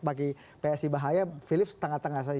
bagi psi bahaya philips tengah tengah saja